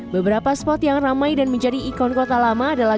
beberapa spot yang ramai dan menjadi ikon kota lama adalah